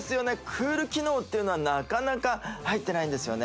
ＣＯＯＬ機能っていうのはなかなか入ってないんですよね